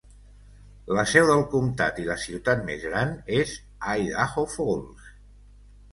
La seu del comtat i la ciutat més gran és Idaho Falls.